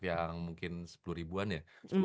yang mungkin sepuluh ribuan ya